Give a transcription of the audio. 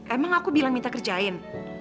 emang aku bilang minta kerjain